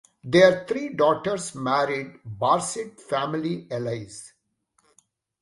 Their three daughters married Barcid family allies.